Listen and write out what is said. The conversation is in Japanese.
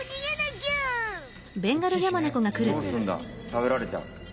食べられちゃう。